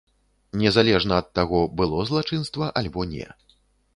Незалежна ад таго, было злачынства альбо не.